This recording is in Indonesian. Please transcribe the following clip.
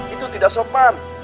itu tidak sopan